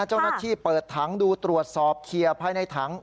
เจ้าหน้าที่เปิดถังดูตรวจสอบเคลียร์ภายในถัง